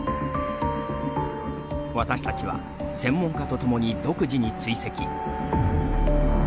私たちは、専門家とともに独自に追跡。